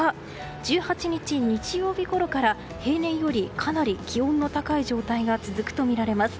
１８日、日曜日ごろから平年よりかなり気温が高い状態が続くとみられます。